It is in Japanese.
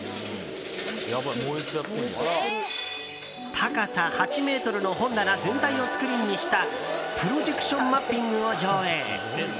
高さ８ｍの本棚全体をスクリーンにしたプロジェクションマッピングを上映。